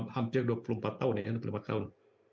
hampir dua puluh empat tahun ya dua puluh lima tahun